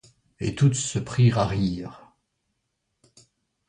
Et toutes se prinrent à rire.